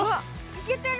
いけてる。